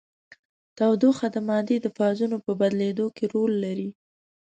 تودوخه د مادې د فازونو په بدلیدو کې رول لري.